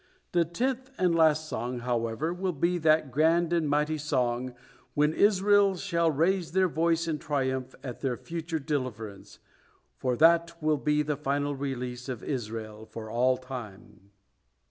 The tenth and last song, however, will be that grand and mighty song, when Israel will raise their voice in triumph at their future deliverance, for that will be the final release of Israel for all time.